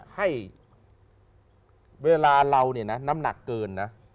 ให้เวลาเราน้ำหนักเกินนะ